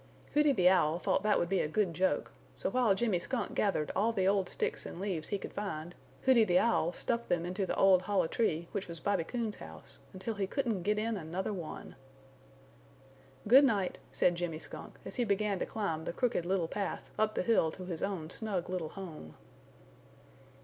Hooty the Owl thought that would be a good joke so while Jimmy Skunk gathered all the old sticks and leaves he could find, Hooty the Owl stuffed them into the old hollow tree which was Bobby Coon's house, until he couldn't get in another one. "Good night," said Jimmy Skunk as he began to climb the Crooked Little Path up the hill to his own snug little home.